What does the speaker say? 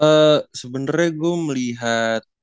eee sebenernya gue melihat